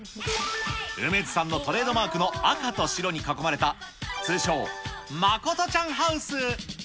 楳図さんのトレードマークの赤と白に囲まれた、通称、まことちゃんハウス。